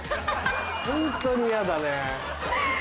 ホントにヤダね。